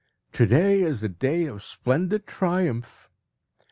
_ To day is a day of splendid triumph.